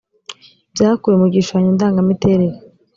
byakuwe mu gishushanyo ndangamiterere